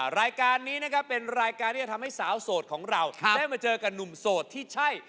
รายการนี้นะครับเป็นรายการที่จะทำให้สาวโสดของเราได้มาเจอกับหนุ่มโสดที่ใช่